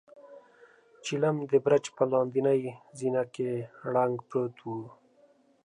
چيلم د برج په لاندنۍ زينه کې ړنګ پروت و.